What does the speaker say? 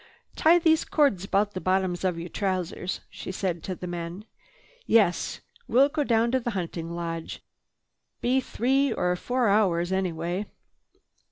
"Tie these cords about the bottoms of your trousers," she said to the men. "Yes, we'll go down to the hunting lodge. Be three or four hours anyway."